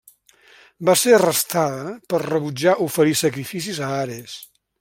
Va ser arrestada per rebutjar oferir sacrificis a Ares.